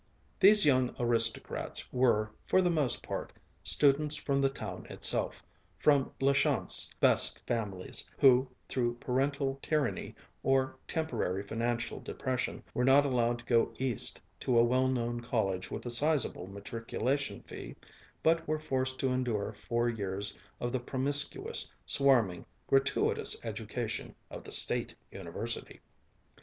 These young aristocrats were, for the most part, students from the town itself, from La Chance's "best families," who through parental tyranny or temporary financial depression were not allowed to go East to a well known college with a sizable matriculation fee, but were forced to endure four years of the promiscuous, swarming, gratuitous education of the State University.